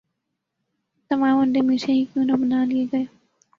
تمام انڈے میٹھے ہی کیوں نہ بنا لئے گئے